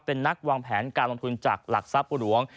เป็นนักวางแผนการลงทุนจากหลักทรัพย์บุหลวง